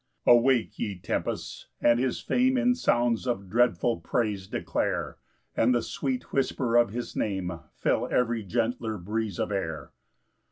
4 Awake, ye tempests, and his fame In sounds of dreadful praise declare; And the sweet whisper of his Name Fill every gentler breeze of air.